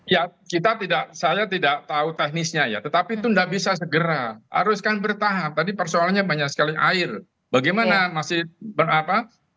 ya kita tidak saya tidak tahu teknisnya ya tetapi itu tidak bisa segera harus kan bertahap tadi persoalannya banyak sekali air bagaimana masih berapa